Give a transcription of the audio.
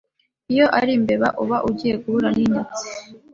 iyo ari imbeba uba ugiye guhura n’inyatsi